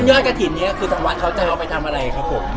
เมื่อกระถิ่นนี้คือสำวัสดิ์เขาจะเอาไปทำอะไรครับผม